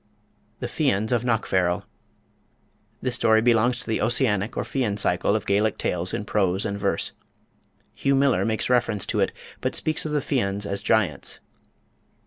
The Fians of Knockfarrel. This story belongs to the Ossianic or Fian cycle of Gaelic tales in prose and verse. Hugh Miller makes reference to it, but speaks of the Fians as giants.